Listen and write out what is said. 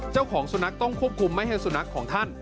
เจ้าของสุนัขต้องควบคุมไม่ให้สุนัขของท่าน